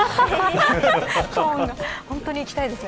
本当に行きたいですね